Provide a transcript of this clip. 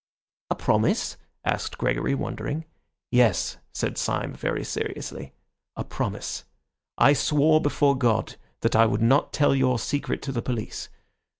"A promise?" asked Gregory, wondering. "Yes," said Syme very seriously, "a promise. I swore before God that I would not tell your secret to the police.